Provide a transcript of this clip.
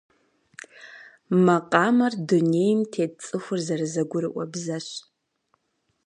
Макъамэр дунейм тет цӏыхур зэрызэгурыӏуэ бзэщ.